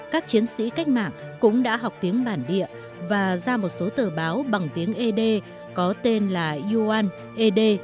các chiến sĩ cách mạng cũng đã học tiếng bản địa và ra một số tờ báo bằng tiếng ế đê có tên là yuan ed